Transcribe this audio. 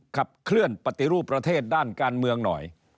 ขับเคลื่อนปฏิรูปประเทศด้านการเมืองหน่อย